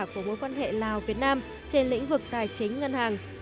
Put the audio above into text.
của mối quan hệ lào việt nam trên lĩnh vực tài chính ngân hàng